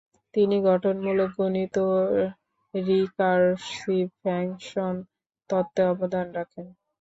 তিনি গঠনমূলক গণিত ও রিকার্সিভ ফাংশন তত্ত্বে অবদান রাখেন।